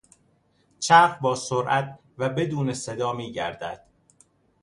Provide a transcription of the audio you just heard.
چرخ با سرعت و بدون صدا میگردد.